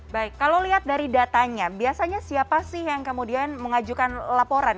baik kalau lihat dari datanya biasanya siapa sih yang kemudian mengajukan laporan